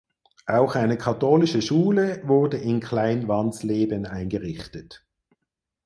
Auch eine katholische Schule wurde in Klein Wanzleben eingerichtet.